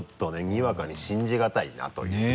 にわかに信じがたいなという。ねぇ。